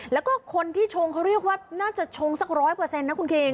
แล้วก็คนที่ชงเขาเรียกว่าน่าจะชงสัก๑๐๐นะคุณคิง